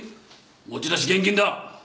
持ち出し厳禁だ。